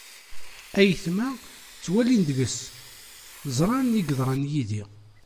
Ayetma ttwalin deg-s ẓran i yeḍran yid-i.